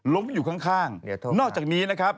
อยู่ข้างนอกจากนี้นะครับ